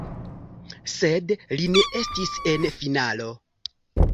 Sed li ne estis en finalo.